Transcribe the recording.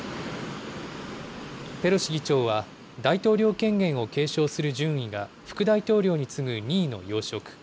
ペロシ議長は、大統領権限を継承する順位が副大統領に次ぐ２位の要職。